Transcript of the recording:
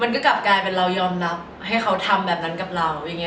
ก็กลับกลายเป็นเรายอมรับให้เขาทำแบบนั้นกับเรา